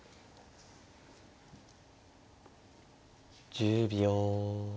１０秒。